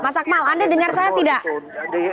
masakmal anda dengar saya tidak